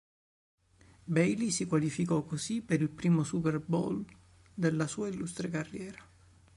Bailey si qualificò così per il primo Super Bowl della sua illustre carriera.